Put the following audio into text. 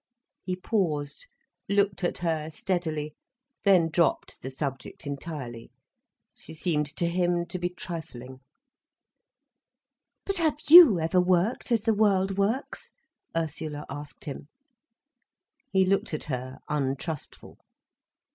He paused, looked at her steadily, then dropped the subject entirely. She seemed to him to be trifling. "But have you ever worked as the world works?" Ursula asked him. He looked at her untrustful.